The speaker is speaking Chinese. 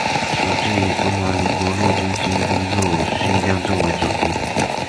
此剧以中华民国陆军新兵入伍训练作为主题。